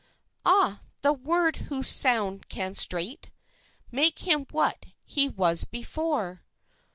"Ah, the word whose sound can straight Make him what he was before!